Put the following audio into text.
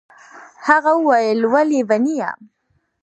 هغه وويل وه ليونيه.